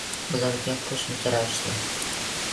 Bularga qo‘shimcha ravishda